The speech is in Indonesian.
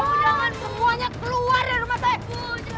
bu jangan semuanya keluar dari rumah saya